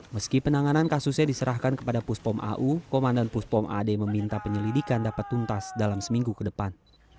meski penanganan kasusnya diserahkan kepada puspom au komandan puspom ad meminta penyelidikan dapat tuntas dalam seminggu ke depan